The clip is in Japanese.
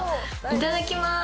いただきます。